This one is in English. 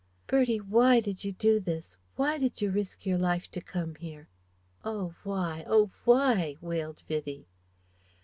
"Bertie! Why did you do this? Why did you risk your life to come here; oh why, oh why?" wailed Vivie.